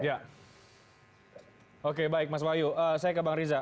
iya oke baik mas wahyu saya ke bang riza